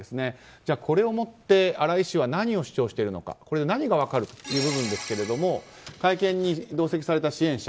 じゃあ、これをもって新井氏は何を主張しているのか何が分かるかという部分ですが会見に同席された支援者